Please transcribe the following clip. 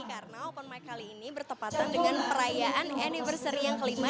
karena open mic kali ini bertepatan dengan perayaan anniversary yang kelima